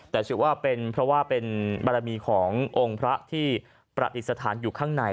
แต่ฉิวว่าเป็นมือภาระมีขององค์พระที่ประติศธานอยู่ข้างใน